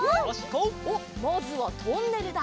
おっまずはトンネルだ。